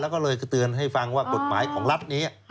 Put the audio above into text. แล้วก็เลยเตือนให้ฟังว่ากฎหมายของรัฐนี้